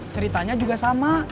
ceritanya juga sama